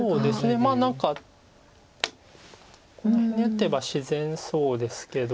まあ何かこの辺に打てば自然そうですけど。